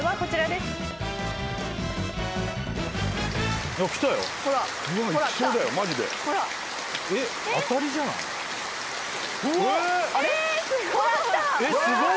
すごい。